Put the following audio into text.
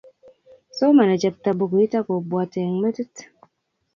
Somani chepto bukuit akobwati eng metit